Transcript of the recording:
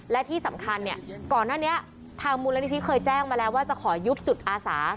และที่สำคัญเนี่ยก่อนหน้านี้ทางมูลนิธิเคยแจ้งมาแล้วว่าจะขอยุบจุดอาสา